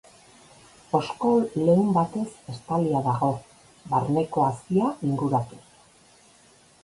Oskol leun batez estalia dago, barneko hazia inguratuz.